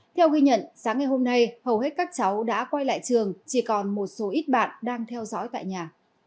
theo ghi nhận sáng ngày hôm nay hầu hết các cháu đã quay lại trường chỉ còn một số ít bạn đang theo dõi tại nhà